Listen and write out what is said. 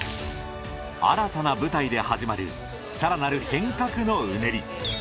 新たな舞台で始まる更なる変革のうねり。